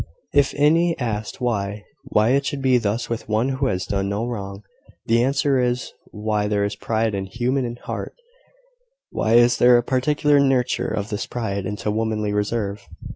If any asked why why it should be thus with one who has done no wrong, the answer is Why is there pride in the human heart? why is there a particular nurture of this pride into womanly reserve?